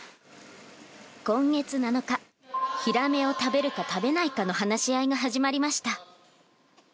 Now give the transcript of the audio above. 今月７日、ヒラメを食べるか食べないかの話し合いが始まりました。